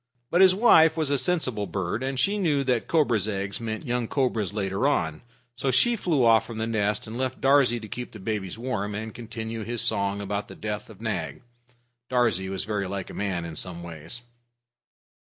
But his wife was a sensible bird, and she knew that cobra's eggs meant young cobras later on. So she flew off from the nest, and left Darzee to keep the babies warm, and continue his song about the death of Nag. Darzee was very like a man in some ways.